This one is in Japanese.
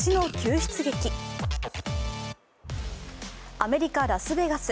アメリカ・ラスベガス。